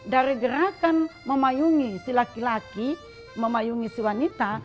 dari gerakan memayungi si laki laki memayungi si wanita